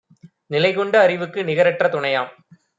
நிலைகொண்ட அறிவுக்கு நிகரற்ற துணையாம்;